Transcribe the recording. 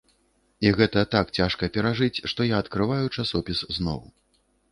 І гэта так цяжка перажыць, што я адкрываю часопіс зноў.